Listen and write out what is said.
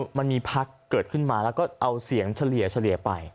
มันมีพักเกิดขึ้นมาแล้วก็เอาเสียงเฉลี่ยไป